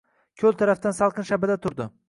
Koʼl tarafdan salqin shabada turdi.